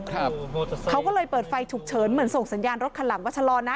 เขาก็เลยเปิดไฟฉุกเฉินเหมือนส่งสัญญาณรถคันหลังว่าชะลอนะ